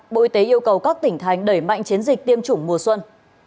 bộ y tế yêu cầu các tỉnh thành đẩy mạnh chiến dịch tiêm chủng mùa xuân